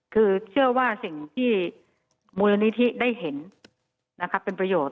คือเชื่อว่าสิ่งที่มูลนิธิได้เห็นนะครับเป็นประโยชน